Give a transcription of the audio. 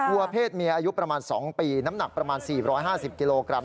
วัวเพศเมียอายุประมาณ๒ปีน้ำหนักประมาณ๔๕๐กิโลกรัม